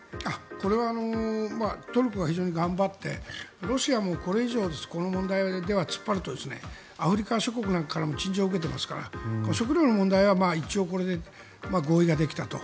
これはトルコが非常に頑張ってロシアもこれ以上この問題では突っ張るとアフリカ諸国からも陳情を受けていますから食料の問題は一応これで合意ができたと。